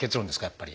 やっぱり。